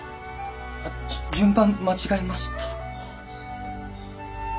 順番間違えました。